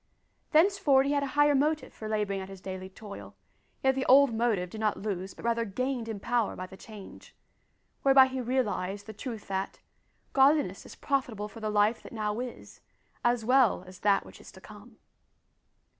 Thenceforward he had a higher motive for labouring at his daily toil, yet the old motive did not lose but rather gained in power by the change whereby he realised the truth that, "godliness is profitable for the life that now is as well as that which is to come."